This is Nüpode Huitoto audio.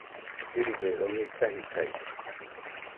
Kɨrɨgaɨ oni kajidaide